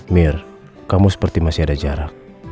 mir kamu seperti masih ada jarak